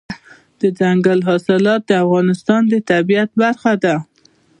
دځنګل حاصلات د افغانستان د طبیعت برخه ده.